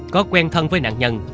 có quen thân với nạn nhân